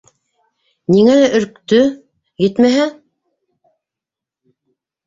Ниңәлер өрктө, етмәһә